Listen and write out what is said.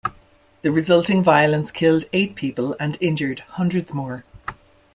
The resulting violence killed eight people, and injured hundreds more.